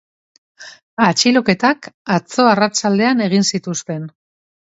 Atxiloketak atzo arratsaldean egin zituzten.